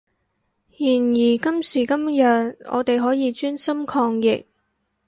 然而今時今日我哋可以專心抗疫